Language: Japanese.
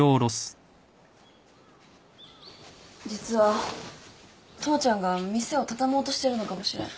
実は父ちゃんが店を畳もうとしてるのかもしれん。